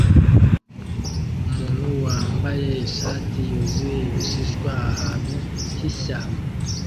Umuntu wambaye ishati yuzuye ibishishwa ahantu h'ishyamba